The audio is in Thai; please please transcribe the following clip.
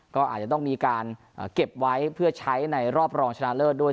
ก็อาจจะต้องมีการเก็บไว้เพื่อใช้ในรอบรองชนะเลิศด้วย